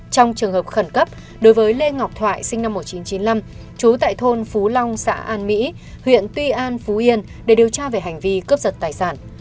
trong trường hợp khẩn cấp đối với lê ngọc thoại sinh năm một nghìn chín trăm chín mươi năm trú tại thôn phú long xã an mỹ huyện tuy an phú yên để điều tra về hành vi cướp giật tài sản